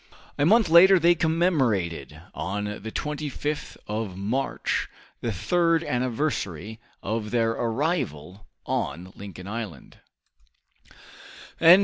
A month later they commemorated, on the 25th of March, the third anniversary of their arrival on Lincoln Island.